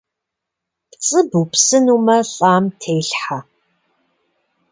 ПцIы бупсынумэ лIам телъхьэ.